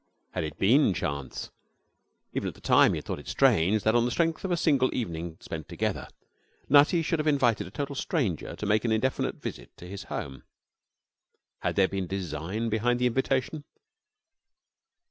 Had it been chance? Even at the time he had thought it strange that, on the strength of a single evening spent together, Nutty should have invited a total stranger to make an indefinite visit to his home. Had there been design behind the invitation?